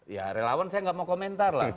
ya relawan saya nggak mau komentar lah